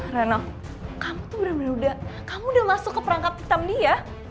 reno kamu tuh bener bener udah masuk ke perangkat hitam dia